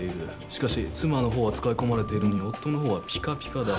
しかし妻の方は使い込まれているのに夫の方はピカピカだ。